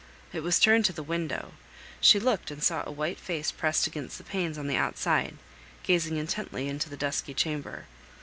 It was turned to the window; she looked and saw a white face pressed against the panes on the outside, gazing intently into the dusky chamber.